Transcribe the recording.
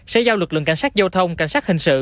sẽ giao lực lượng cảnh sát giao thông cảnh sát hình sự